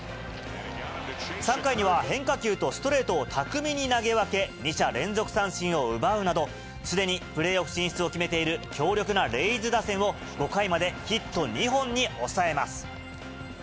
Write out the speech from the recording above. ３回には変化球とストレートを巧みに投げ分け、２者連続三振を奪うなど、すでにプレーオフ進出を決めている、強力なレイズ打線を、５回までヒット２本に抑えます。